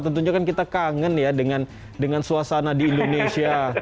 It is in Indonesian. tentunya kan kita kangen ya dengan suasana di indonesia